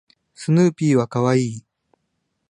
スヌーピーは可愛い